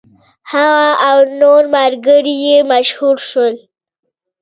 هغه او نور ملګري یې مشهور شول.